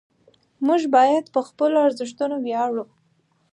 موږ باید په خپلو ارزښتونو ویاړو.